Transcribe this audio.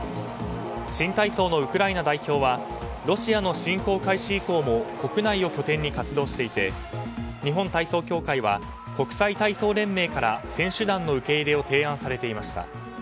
新体操のウクライナ代表はロシアの侵攻開始以降も国内を拠点に活動していて日本体操協会は国際体操連盟から選手団の受け入れを提案されていました。